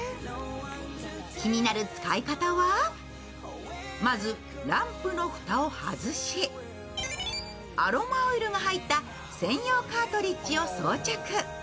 気になる使い方は、まずランプの蓋を外しアロマオイルが入った専用カートリッジを装着。